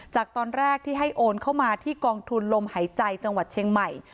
จากตอนแรกที่ให้โอนเข้ามาที่กองทุนลมหายใจจังหวัดเชียงใหม่